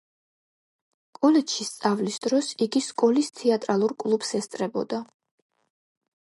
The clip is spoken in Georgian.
კოლეჯში სწავლის დროს, იგი სკოლის თეატრალურ კლუბს ესწრებოდა.